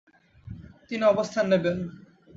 তিনি অবস্থান নেবেন।